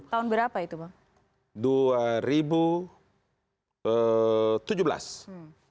tahun berapa itu pak